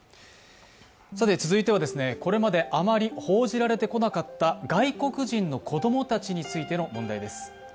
続いては、これまであまり報じられてこなかった外国人の子供たちについての問題です。